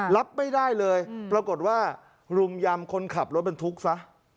รับไม่ได้เลยปรากฏว่ารุมยำคนขับรถบรรทุกซะ